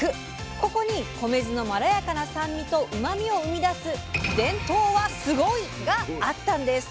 ここに米酢のまろやかな酸味とうまみを生み出す伝統はスゴイ！があったんです。